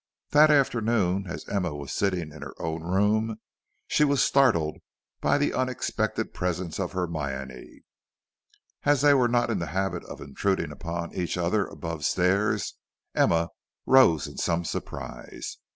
That afternoon, as Emma was sitting in her own room, she was startled by the unexpected presence of Hermione. As they were not in the habit of intruding upon each other above stairs, Emma rose in some surprise.